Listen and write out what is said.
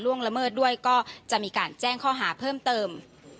ละเมิดด้วยก็จะมีการแจ้งข้อหาเพิ่มเติม